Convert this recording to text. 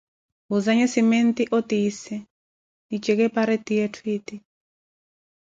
woozanye cimenti, otiise, nijeke pareti yetthu eti.